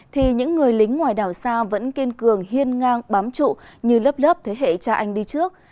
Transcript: thì những người lính ngoài đảo xa vẫn kiên cường hiên ngang bám trụ như lớp lớp thế hệ cha anh đi trước